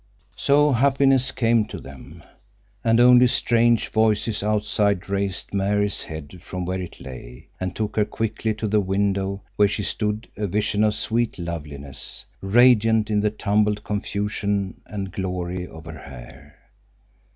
So happiness came to them; and only strange voices outside raised Mary's head from where it lay, and took her quickly to the window where she stood a vision of sweet loveliness, radiant in the tumbled confusion and glory of her hair.